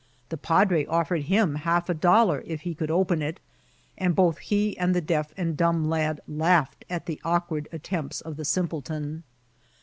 The padre ofiered him half a doUar if he could <^n it, and both he and the deaf and dumb lad laughed at the awk« ward attempts of the simpleton.